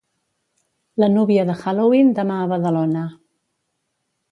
La núvia de Halloween demà a Badalona.